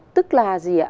tức là gì ạ